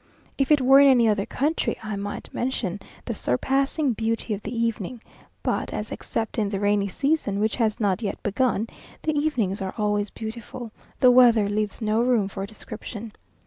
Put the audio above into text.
If it were in any other country, I might mention the surpassing beauty of the evening, but as except in the rainy season, which has not yet begun, the evenings are always beautiful, the weather leaves no room for description.